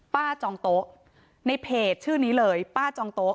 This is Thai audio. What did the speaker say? จองโต๊ะในเพจชื่อนี้เลยป้าจองโต๊ะ